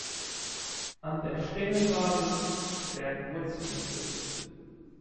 An der Stängelbasis werden Wurzeln gebildet.